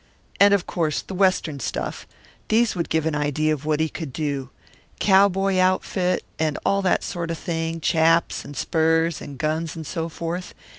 And of course Western stuff these would give an idea of what he could do cowboy outfit and all that sort of thing, chaps and spurs and guns and so forth.